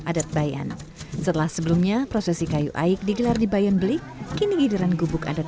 adat bayan setelah sebelumnya prosesi kayu aik digelar di bayan beli kini giliran gubuk adat